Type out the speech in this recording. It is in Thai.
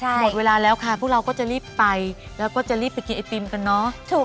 หมดเวลาแล้วค่ะพวกเราก็จะรีบไปแล้วก็จะรีบไปกินไอติมกันเนอะ